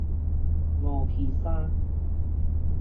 蜈蜞衫